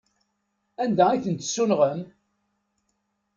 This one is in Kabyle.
Anda ay ten-tessunɣem?